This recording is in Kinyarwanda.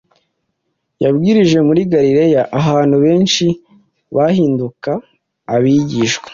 Babwirije muri Galilaya abantu benshi bahinduka abigishwa